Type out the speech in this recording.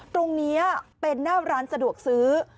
ตรงนี้เป็นหน้าร้านสะดวกซื้อ